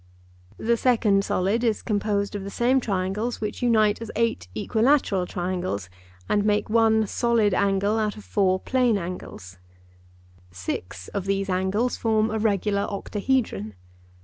The second solid is composed of the same triangles, which unite as eight equilateral triangles, and make one solid angle out of four plane angles—six of these angles form a regular octahedron.